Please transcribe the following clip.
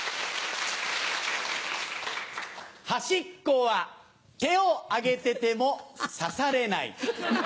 端っこは手を上げてても指されない。